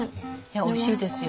おいしいですよ。